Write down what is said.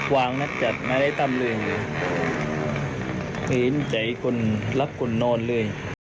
วางนักจัดไม่ได้ตามเลยมีหินใจคนรับคนโน้นเลย